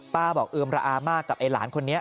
บอกเอือมระอามากกับไอ้หลานคนนี้